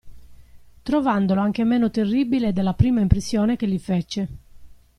Trovandolo anche meno terribile della prima impressione che gli fece.